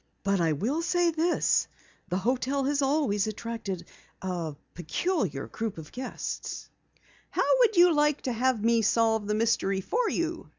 "But I will say this. The hotel always has attracted a peculiar group of guests." "How would you like to have me solve the mystery for you?"